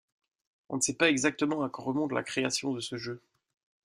On ne sait pas exactement à quand remonte la création de ce jeu.